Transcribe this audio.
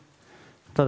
ただ